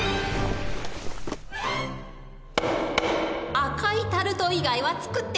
赤いタルト以外は作ってはならぬ。